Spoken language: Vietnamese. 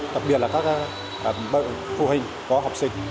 đặc biệt là các phụ hình có học sinh